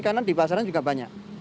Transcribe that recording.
karena di pasaran juga banyak